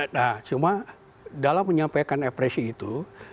nah cuma dalam menyampaikan represi itu